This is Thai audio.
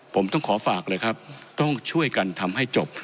ผมต้องขอฝากเลยครับต้องช่วยกันทำให้จบ